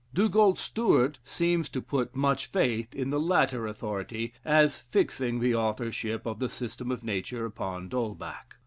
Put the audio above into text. Dugald Stewart seems to put much faith in the latter authority, as fixing the authorship of the "System of Nature" upon D'Holbach.